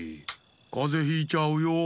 かぜひいちゃうよ。